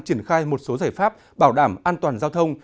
triển khai một số giải pháp bảo đảm an toàn giao thông